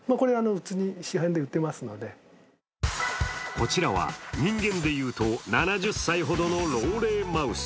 こちらは人間で言うと７０歳ほどの老齢マウス。